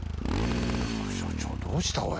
副所長どうしたおい。